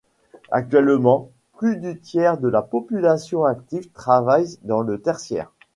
Actuellement, plus du tiers de la population active travaille dans le tertiaire.